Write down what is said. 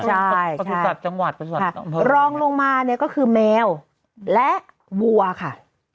ใช่ประสุทธิ์ประสุภัสดิ์จังหวัดรองลงมาก็คือแมวและวัวค่ะ